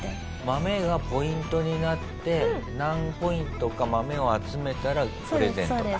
豆がポイントになって何ポイントか豆を集めたらプレゼントだ。